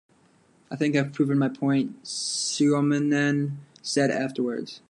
"I think I've proven my point," Suominen said afterwards.